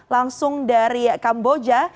langsung dari kamboja